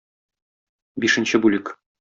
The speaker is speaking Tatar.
Бишенче бүлек.